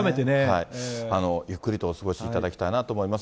ゆっくりとお過ごしいただきたいなと思います。